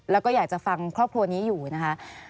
แล้วก็อยากจะฟังครอบครัวนี้อยู่นะคะ